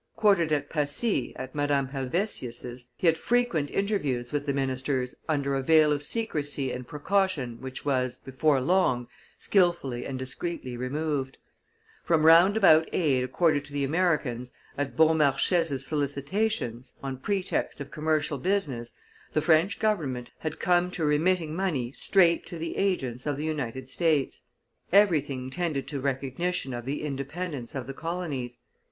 Quartered at Passy, at Madame Helvetius', he had frequent interviews with the ministers under a veil of secrecy and precaution which was, before long, skilfully and discreetly removed; from roundabout aid accorded to the Americans, at Beaumarchais' solicitations, on pretext of commercial business, the French Government had come to remitting money straight to the agents of the United States; everything tended to recognition of the independence of the colonies.